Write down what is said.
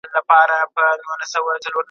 د شیکسپیر لاسلیک په کتاب کې تر سترګو سو.